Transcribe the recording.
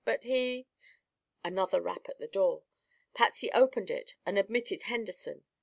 But he " Another rap at the door. Patsy opened it and admitted Henderson.